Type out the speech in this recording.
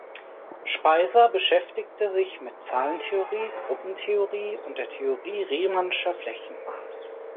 Speiser beschäftigte sich mit Zahlentheorie, Gruppentheorie und der Theorie riemannscher Flächen.